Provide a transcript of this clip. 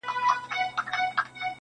• هغه د صحنې له وضعيت څخه حيران ښکاري,